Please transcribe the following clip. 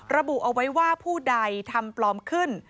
ระบุเอาไว้ว่าผู้ใดทำปลอมขึ้น